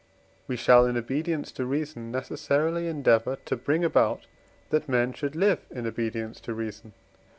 we shall in obedience to reason necessarily endeavour to bring about that men should live in obedience to reason.